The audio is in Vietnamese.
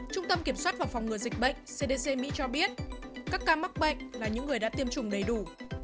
trung tâm kiểm soát và phòng ngừa dịch bệnh cdc mỹ cho biết các ca mắc bệnh là những người đã tiêm chủng đầy đủ